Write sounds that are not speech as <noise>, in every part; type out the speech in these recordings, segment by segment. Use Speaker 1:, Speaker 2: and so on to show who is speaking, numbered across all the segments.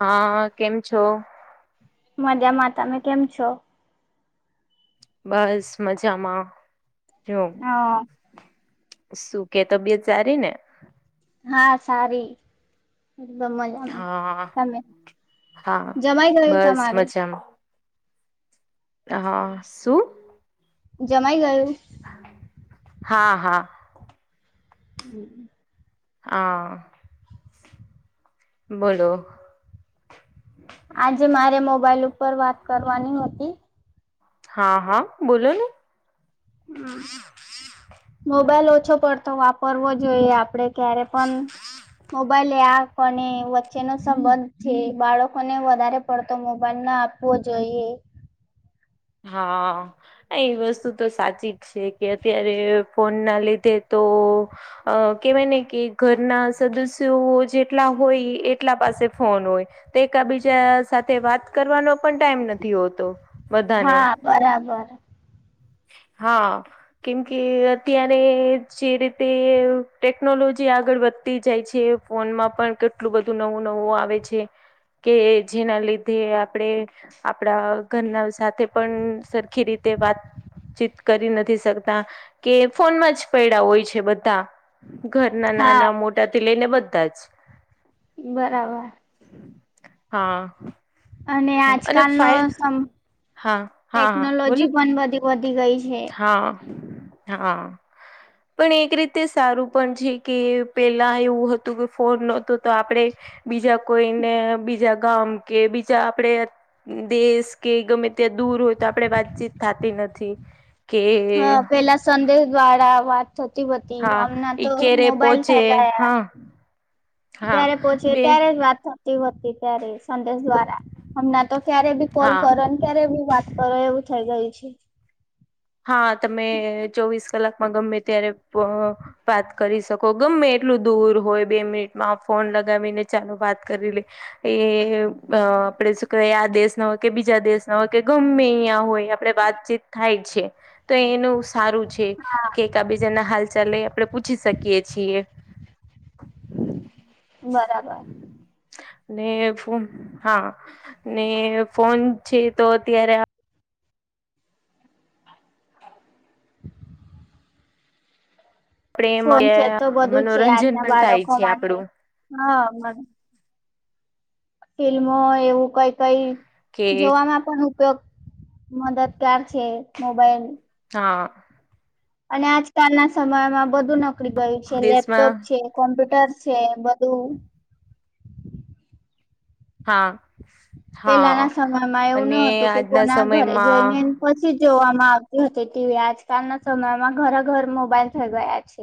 Speaker 1: હા કેમ છો?
Speaker 2: મધ્યા મા તમે કેમ છો?
Speaker 1: બસ મજામાં જો-
Speaker 2: હા
Speaker 1: સુું કે તબિયત સારી ને-
Speaker 2: હા સારી એકદમ મજામાં
Speaker 1: હા
Speaker 2: તમે
Speaker 1: હા
Speaker 2: જમાઈ ગયું
Speaker 1: બસ
Speaker 2: તમારું
Speaker 1: મજામાં હા શું -
Speaker 2: જમાઈ ગયું-
Speaker 1: હા હા-
Speaker 2: હમ.
Speaker 1: હા બોલોલો
Speaker 2: આજે મારે મોબાઈલ ઉપર વાત કરવાની હતી.
Speaker 1: હા હા બોલો ને
Speaker 2: હમ મોબાઈલ ઓછો પડતો વાપરવો જોઈએ આપડે ક્યારે પણ- મોબાઈલ આપને વચ્ચે નો સંબંધ છે બાળકોને વધારે પડતો મોબાઈલ ના આપ- -હો જઈએ.
Speaker 1: હા હ એ વસ્તુ તો સાચી જ છે. કે અત્યારે ફોન ના લીધે તો- અ કેવાય ને કે ઘરના સદસ્યો જેટલા હોય એટલા પાસે ફોન હોય. તે એકબીજા સાથે વાત કરવાનો પણ ટાઈમ નથી હોતો બધાને
Speaker 2: હા બરાબર
Speaker 1: હા કેમ કે અત્યારે જે રીતે ટેકનોલોજી આગળ વધતી જાય છે. ફોનમાં પણ કેટલું બધું નવું નવું આવે છે. કે જેના લીધે આપણેે આપડા ઘરના સાથે પણ સરખી રીતે વાત ચિતિત કરી નથી શકતા કે ફોનમાં જ પૈડા હોય છે. બધા ઘરના
Speaker 2: હા
Speaker 1: નાના મોટાથી લઈને બધા જ
Speaker 2: બરાબર
Speaker 1: હા
Speaker 2: અને
Speaker 1: અને
Speaker 2: આજકાલ ન
Speaker 1: ફાઇલ
Speaker 2: સમ
Speaker 1: હા હા હા બોલો
Speaker 2: ટેકનોલોજી પણ બધી વધી ગઈ છે.
Speaker 1: હા હા પણ એક રીતે સારું પણ છે કે પેલા એવું હતું કે ફોન નહતો તો આપણેે બીજા કોઈને બીજા ગામ કે બીજા આપણે દેશ કે ગમે ત્યાં દૂર હોય તો આપડણે વાતચીત થતી નથી. કે
Speaker 2: હા પેલા સંદેશ દ્વાળા વાત થતી બતી
Speaker 1: હા
Speaker 2: આમના તો
Speaker 1: ઈ ક્યારે
Speaker 2: મોબાઈલ
Speaker 1: પહોંચે
Speaker 2: થઈ ગયા.
Speaker 1: હા હા
Speaker 2: જયારે પોહોંચીે
Speaker 1: બે
Speaker 2: ત્યારે જ વાત થ ત્યારે સંદેશ દ્વારા હમણાં તો ક્યારે બી કોલ
Speaker 1: હા
Speaker 2: કરો અત્યારે બી વાત કરો એવું થઇ ગઈ છે.
Speaker 1: હા તમે ચોવીસ કલાકમાં ગમે ત્યારે વાત કરી શકો ગમે એટલું દૂર હોય બે મિનિટમાં ફોન લગાવીને ચાલો વાત કરી લે એ આપડે શું કય આ દેશ ના હોય કે બીજા દેશ ના હોય કે ગમે અહીયા હોય આપણે વાત વા થાય છે તો એનું સારું છે કે એક આબીજાના હાલ ચાલે આપડણે પૂછી શકીયએ છીએ
Speaker 2: બરાબર
Speaker 1: ને ફન હા ને ફોન છે તો અત્યારે આપણે
Speaker 2: ફોન છે
Speaker 1: એમાં
Speaker 2: તો બધું છે
Speaker 1: મનોરંજન
Speaker 2: આજના
Speaker 1: પણ થાય
Speaker 2: બાળકો
Speaker 1: છે
Speaker 2: માટે
Speaker 1: આપડું
Speaker 2: હા ફિલ્મો એવું કઈ કઈ
Speaker 1: કે
Speaker 2: જોવાવામાં પણ ઉપયોગ મદદગાર છે મોબાઈલ
Speaker 1: હા
Speaker 2: અને આજકાલના સમયમાં બધું નોકરી ગયું છે લેપટોપ
Speaker 1: દેશમાં
Speaker 2: છે. કોમ્પ્યુટર છે બધું.
Speaker 1: હા હા
Speaker 2: પેલાના સમયમાં એવું ન
Speaker 1: અને
Speaker 2: હતું કે
Speaker 1: આજના
Speaker 2: કોના ઘરે જઈને
Speaker 1: સમયમાં
Speaker 2: પછી જોવામાં આવતી હતી ટીવી આજકાલના સમયમાં ઘરા ઘર મોબાઈલ થઈ ગયા છે.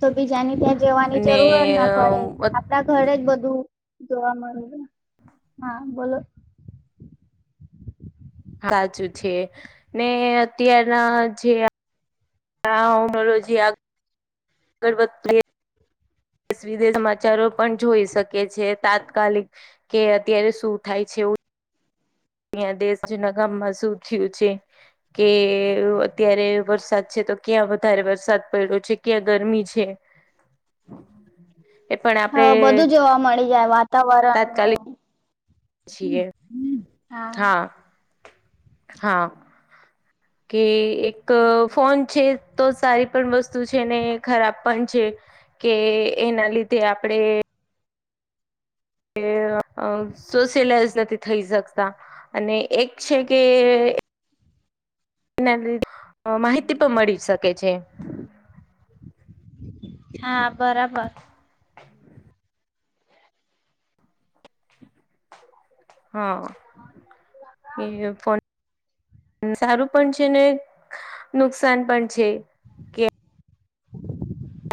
Speaker 2: તો બીજાની ત્યાં જવાની
Speaker 1: અને
Speaker 2: જરૂર જ ના પડે ઘરે જ બધું જોવા મળ્યું હા બોલો
Speaker 1: સાચું છે ને અત્યારના જે આ ઓનોલોજી આગળ આગળ વધતીએ દેશ વિદેશ સમાચારો પણ જોઈ શકે છે તાત્કાલિક કે અત્યારે શું થાય છે એવું. અહં દેશ જના ગામમાં સુ થયું છે. કે અત્યારે વરસાદ છે તો ક્યાં વધારે વરસાદ પડ્યો છે ક્યાં ગરમી છે.
Speaker 2: <inaudible>
Speaker 1: એ પણ
Speaker 2: હ
Speaker 1: આપણે
Speaker 2: બધું જોવા મળી જાય
Speaker 1: તાત્કાલિક
Speaker 2: વાતાવરણનું.
Speaker 1: હા હા
Speaker 2: <inaudible>
Speaker 1: કે એક ફોન છે તો સારી પણ વસ્તુ છે ને ખરાબ પણ છે. કે એના લીધે આપડણે કે સોશયલાઈઝ નથી થઈ શકતા અને એક છે કે એના લધ માહિતી પણ મળી શકે છે.
Speaker 2: હાપ બરાબર
Speaker 1: હ હા એ ફન સારું પણ છે ને નુકસાન પણ છે.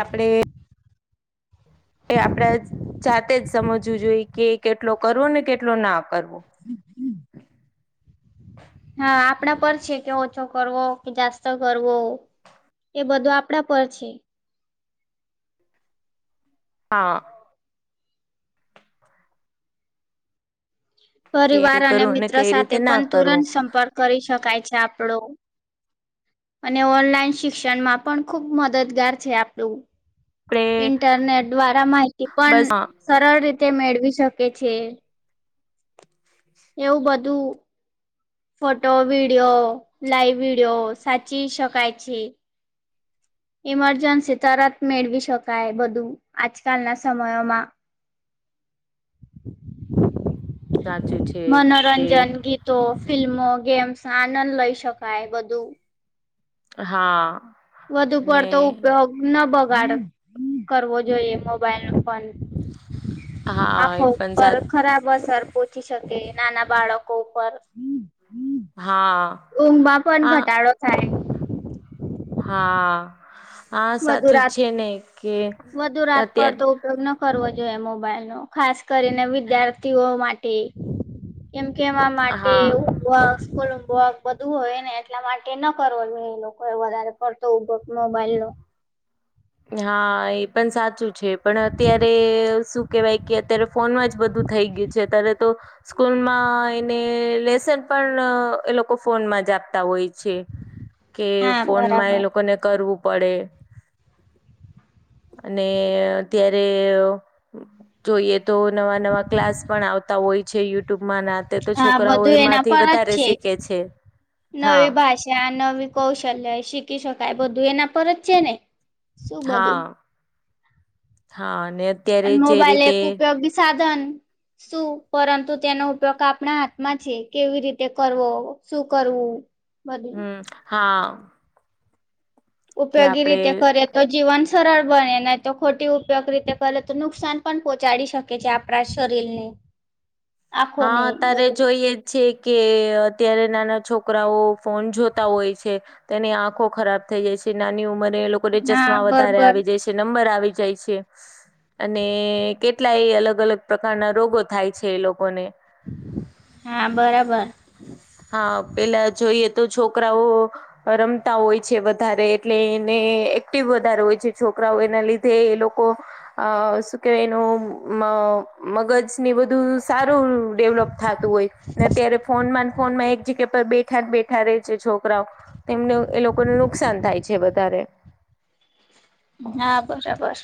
Speaker 1: આપડે એ આપણેે જાતે જ સમજવું જોઈએ કે કેટલો કરવો ને કેટલો ના કરવો
Speaker 2: હા આપણા પર છે કે ઓછો કરવો કે જાસ્ત કરવો એ બધું આપણા પર છે.
Speaker 1: હા. કે
Speaker 2: પરિવાર અને
Speaker 1: કરવું ને
Speaker 2: મિત્ર
Speaker 1: કઈ
Speaker 2: સાથે
Speaker 1: રીતે ના
Speaker 2: પણ
Speaker 1: કરવું
Speaker 2: તુરંત સંપર્ક કરી શકાય છે આપણો અને ઓનલાઈન શિક્ષણમાં પણ ખુબ મદદગાર છે આપણું.
Speaker 1: આપણે
Speaker 2: ઇન્ટરનેટ દ્વારા માહિતી પણ
Speaker 1: બસ હા
Speaker 2: સરળ રીતે મેળવી શકે છે. એવું બધું ફોટો વિડિયો લાઇવ વિડિયો સાચી શકાાય છે. ઈમરજન્સી તરત મેળવી શકાય બધું આજકાલના સમયોમાં <inaudible>
Speaker 1: સાચું છે કે
Speaker 2: તો ફિલ્મો ગેમ્સ આનંદ લઈ શકાય બધું
Speaker 1: હા.
Speaker 2: વધુ
Speaker 1: અને
Speaker 2: પડતો ઉપયોગ ન બગાડ કરવો જોઈએ મોબાઈલ ન ફોન
Speaker 1: હા
Speaker 2: આંખો
Speaker 1: એ પણ
Speaker 2: ઉપર
Speaker 1: સા
Speaker 2: ખરાબ અસર થી શકે નાના બાળકો ઉપર
Speaker 1: હા
Speaker 2: ઊંઘમાં પણ
Speaker 1: હા
Speaker 2: ઘટાડો થાય
Speaker 1: હા હા
Speaker 2: વધુ
Speaker 1: સાચું
Speaker 2: રાત
Speaker 1: છે ને કે
Speaker 2: વધુ રાત
Speaker 1: અત્યારે
Speaker 2: પડતો ઉપયોગ ન કરવો જોઈએ મોબાઈલ નો ખાસ કરીને વિદ્યાર્થીઓ માટે એમ કેવા માટે
Speaker 1: હા
Speaker 2: એવું વ સ્લક બધું હોયને એટલા માટે ન કરવો જોઈએ એ લોકો એ વધારે પડતો ઉભો મોબાઈલ નો
Speaker 1: હા એ પણ સાચું છે પણ અત્યારે શું કેવાય કે અત્યારે ફોનમાં જ બધું થઈ ગયું છે અત્યારે તો સ્કૂલમાં એને લેસન પણ એ લોકો ફોનમાં જ આપતા હોય છે.
Speaker 2: <inaudible>
Speaker 1: કે
Speaker 2: હા
Speaker 1: ફોનમાં
Speaker 2: બરાબર
Speaker 1: એ લોકોને કરવું પડે. અને ત્યારે જોઈએ તો, નવા નવા ક્લાસ પણ આવતા હોય છે યુટ્યુબમાં નાતે તો
Speaker 2: હા
Speaker 1: છોકરાઓ
Speaker 2: બધું એના
Speaker 1: એમાંથી
Speaker 2: પર જ
Speaker 1: વધારે
Speaker 2: છે
Speaker 1: શી ખે છે. હા
Speaker 2: નવી ભાષા, નવી કૌશલ્ય શીખી શકાય. બધું એના પર જ છે ને શું
Speaker 1: હા
Speaker 2: બધું
Speaker 1: હા અને અત્યારે
Speaker 2: અને
Speaker 1: જે
Speaker 2: મોબાઈલ
Speaker 1: રીતે
Speaker 2: એક ઉપયોગી સાધન શું પરંતુ તેનો ઉપયોગ આપણા હાથમાં છે. કેવી રીતે કરવો શું કરવું બધું
Speaker 1: હમ્મ હા કે
Speaker 2: ઉપયોગી
Speaker 1: આપડે
Speaker 2: રીતે કરે તોજ જીવન સરળ બને ને તો ખોટી ઉપયોગ રીતે કરે તો નુકસાન પણ પોહોંચાડી શકે છે આપણા શરીરનું
Speaker 1: હા તારે જોઈએ છે કે અત્યારે નાના છોકરાઓ ફોન જોતા હોય છે. તેની આંખો ખરાબ થઈ જાય છે નાની ઉંમરે એ લોકોને
Speaker 2: હા
Speaker 1: ચશ્મા વધારે
Speaker 2: બરોબર
Speaker 1: આવી જાય છે. નંબર આવી જાય છે. અને કેટલા એ અલગ અલગ પ્રકારના રોગો થાય છે એ લોકોને.
Speaker 2: હા બરાબર.
Speaker 1: હા! પેલા જોઈએ તો છોકરાઓ. રમતા હોય છે. વધારે એટલે એને એક્ટિવ વધારે હોય છે. છોકરાઓ એના લીધે એ લોકો. અ શું કેવાય એનુ મ મગજ એ બધું સારું ડેવલપ થાતું હોય ત્યારે ફોનમાં ને ફોનમાં એક જગ્યા પર બેઠા બેઠા રહેે છે છોકરાઓ તેમને એ લોકોને નુકસાન થાય છે વધારે.
Speaker 2: હા બરાબર.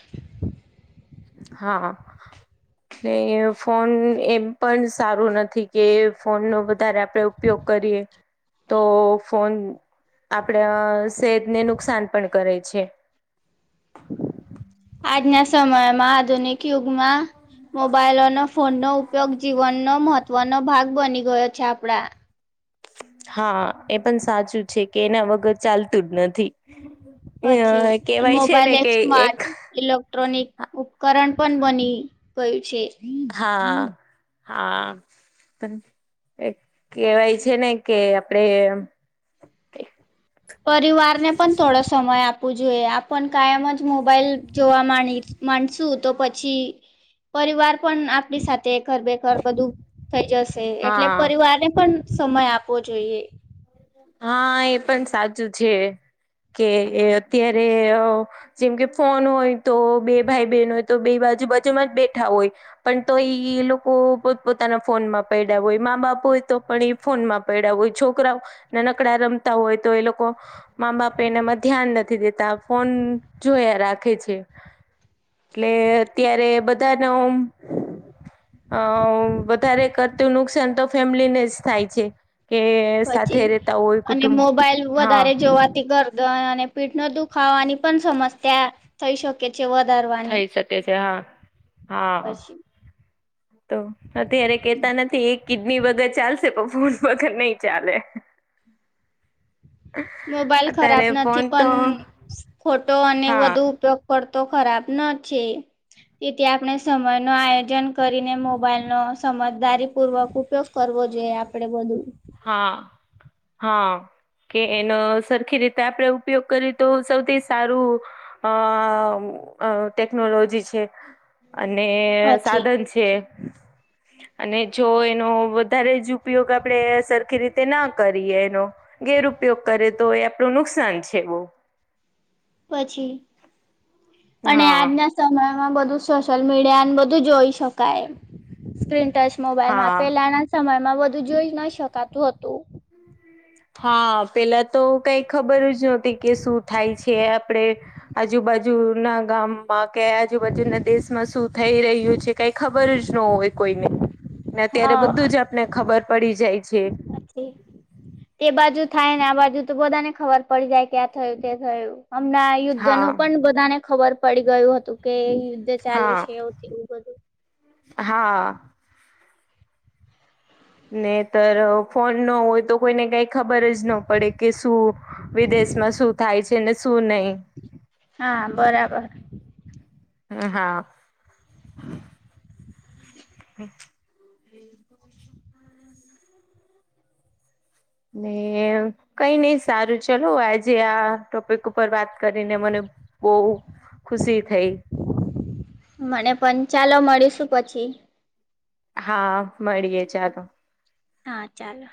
Speaker 1: હા. કે ફોન એમ પણ સારું નથી કે ફોન નો વધારે આપ આપે ઉપયોગ કરીએ. તો ફોન આપડ સેજને નુકસાન પણ કરે છે.
Speaker 2: આજના સમયમાં આધુનિક યુગમાં. મોબાઈલ અને ફોનનો ઉપયોગ જીવનનો મહત્વનો ભાગ બની ગયો છે આપણા.
Speaker 1: હા, એ પણ સાચું છે કે એના વગર ચાલતું જ નથી.
Speaker 2: પછી
Speaker 1: અ કહેવાય છે
Speaker 2: મોબાઈલ
Speaker 1: ને કે એક.
Speaker 2: સ્માર્ટ ઇલેક્ટ્રોનિક ઉપકરણ પણ બની ગયું છે.
Speaker 1: હા હા! પણ કેહેવાય છે ને કે આપડે.
Speaker 2: પરિવારને પણ થોડો સમય આપવો જોઈએ આપણ કાયમ જ મોબાઈલ જોવા માંડી. માનસું તો પછી પરિવાર પણ આપણી સાથે ઘર બેખર બધું. થઈ જશે એટલે
Speaker 1: હા
Speaker 2: પરિવારને પણ સમય આપવો જોઈએ.
Speaker 1: હા એ પણ સાચું છે કે અત્યારે. જેમ કે ફોન હોય તો બે ભાઈ બહેન હોય તો બે બાજુ બજુમાં જ બેઠા હોય. પણ તો એઈ એ લોકો પો પોતાના ફોન માં પડડ્યા હોય મા બાપુ તો પણ એ. ફોનમાં પડ્યા હોય છોકરા નાનકડા રમતા હોય તો એ લોકો મા-બાપ એના પર ધ્યાન નથી દેતા ફોન જોયા રાખે છે. એટલે અત્યારે બધા ન અ વધારે કરતું નુકસાન તો ફેમિલીને જ થાય છે કે? સાથે
Speaker 2: પછી
Speaker 1: રેતા હોય
Speaker 2: અને
Speaker 1: કુટુંબ
Speaker 2: મોબાઈલ વધારે
Speaker 1: હા
Speaker 2: જો જોવાથી ગરદ અને પીઠનો દુખાવાની પણ સમસ્યા થઈ શકે છે. વધારવાની
Speaker 1: થઈ શકે છે, હા. હા
Speaker 2: પછી
Speaker 1: તો અત્યારે કેતા નથી એ કિડની વગર ચાલશે પણ ફૂલ વગર નહી ચાલે.
Speaker 2: <inaudible> મોબાઈલ ખરાબ
Speaker 1: અત્યારે
Speaker 2: નથી
Speaker 1: ફોન તો
Speaker 2: પણ ખોટો અને
Speaker 1: હા
Speaker 2: વધુ ઉપયોગ પડતો ખરાબ ન છે. તેથી આપણે સમયનો આયોજન કરીને મોબાઈલ નો સમજદારીપૂર્વક ઉપયોગ કરવો જોઈએ. આપણે બધું
Speaker 1: હા, હા. કે એનો સરખી રીતે આપણે ઉપયોગ કરીએ તો સૌથી સારું. ટેકનોલોજી છે અને
Speaker 2: પછી
Speaker 1: સાધન છે. અને જો એનો વધારે જ ઉપયોગ આપણે સરખી રીતે ના કરીએ એનો ગેરઉપયોગ કરે તો એ આપણું નુકસાન છે, બો.
Speaker 2: પછી અને
Speaker 1: હા
Speaker 2: આજના સમયમાં બધું સોશિયલ મીડિયાને બધું જોઈ શકાય સ્ક્રીન ટચ મોબાઈલમાં
Speaker 1: હા
Speaker 2: પેલાના સમયમાં બધું જોઈ ન શકાતું હતું.
Speaker 1: હા, પેલા તો કઈ ખબર જ નહોતી કે શું થાય છે, આપણે આજુ બાજુના ગામમાં કે આજુ બાજુના દેશમાં શું થઈ રહ્યું છે કંઈ ખબર જ ન હોય કોઈને ને અત્યારે
Speaker 2: હા
Speaker 1: બધું જ આપને ખબર પડી જાય છે.
Speaker 2: પછી તે બાજુ થાય, ને આ બાજુ તો બધા ને ખબર પડી જાય ક્યાં થયું તે થયું હમણાં.
Speaker 1: હા
Speaker 2: યુદ્ધનું પણ બધાને ખબર પડી ગયું હતું કે યુદ્ધ ચાલે
Speaker 1: હા
Speaker 2: છે, એવું. બધું
Speaker 1: હા. ને ફોન ન હોય તો કોઈને કઈ ખબર જ ન પડે કે શું? વિદેશમાં શું થાય છે, ને શું નહી?
Speaker 2: હા, બરાબર.
Speaker 1: એ હા. ને કંઈ ની સારું ચલો આજે આ ટોપિક ઉપર વાત કરીને મને બઉ ખુશી થઈ
Speaker 2: મને પન ચાલો મળીશું પછી
Speaker 1: હા, મળીએે ચાલો.
Speaker 2: હાં ચાલો.